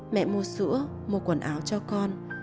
mẹ mua sữa mua quần áo cho con